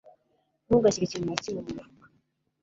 Ntugashyire ikintu na kimwe mumufuka.